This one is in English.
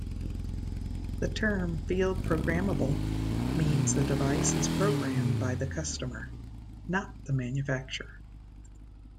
The term "field-programmable" means the device is programmed by the customer, not the manufacturer.